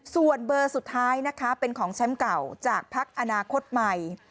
ส่วนเบอร์สุดท้ายเป็นของแช่มเก่าจากภักดิ์อนาคตใหม่